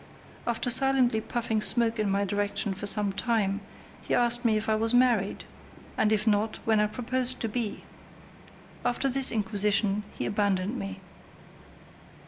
After silently puffing smoke in my direction for some time, he asked me if I was married, and if not, when I proposed to be. After this inquisition he abandoned me.